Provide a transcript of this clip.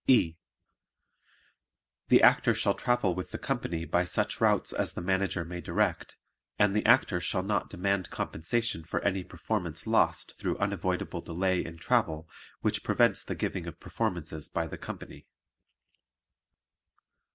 E. The Actor shall travel with the company by such routes as the Manager may direct, and the Actor shall not demand compensation for any performance lost through unavoidable delay in travel which prevents the giving of performances by the company.